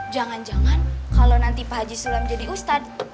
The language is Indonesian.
jangan jangan kalau nanti pak haji sulam jadi ustadz